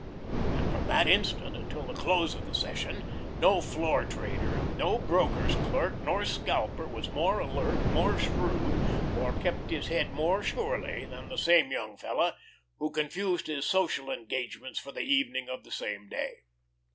And from that instant until the close of the session, no floor trader, no broker's clerk nor scalper was more alert, more shrewd, or kept his head more surely than the same young fellow who confused his social engagements for the evening of the same day.